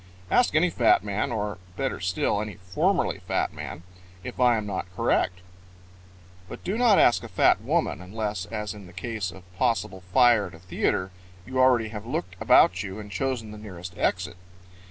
Ask any fat man or better still, any formerly fat man if I am not correct. But do not ask a fat woman unless, as in the case of possible fire at a theater, you already have looked about you and chosen the nearest exit.